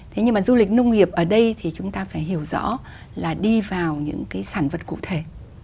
thế nhưng mà du lịch nông nghiệp ở đây thì chúng ta phải hiểu rõ là đi vào những cái sản vật cụ thể